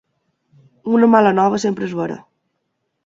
Una mala nova sempre és vera.